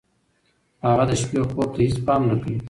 هغه د شپې خوب ته هېڅ پام نه کوي.